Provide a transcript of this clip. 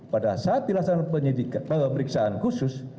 pada saat dilaksanakan pemeriksaan khusus